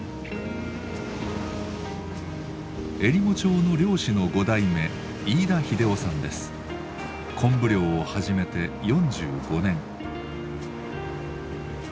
えりも町の漁師の５代目昆布漁を始めて４５年。